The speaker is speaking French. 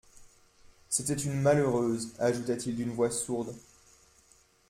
C'était une malheureuse ! ajouta-t-il d'une voix sourde.